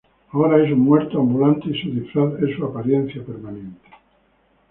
Ahora es un muerto ambulante y su disfraz es su apariencia permanente.